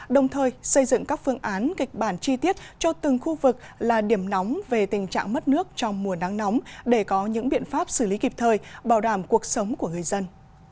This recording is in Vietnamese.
đồng thời xây dựng các phương án kịch bản chi tiết cho từng khu vực là điểm nóng về tình trạng mất nước trong mùa nắng nóng để có những biện pháp xử lý kịp thời bảo đảm cuộc sống của người dân